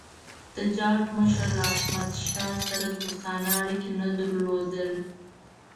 د جاټ مشر له احمدشاه سره دوستانه اړیکي نه درلودل.